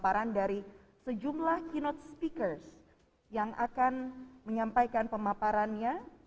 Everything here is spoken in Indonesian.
paparan dari sejumlah keynote speakers yang akan menyampaikan pemaparannya